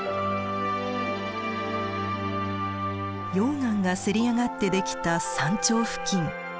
溶岩がせり上がってできた山頂付近。